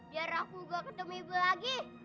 biar aku gak ketemu ibu lagi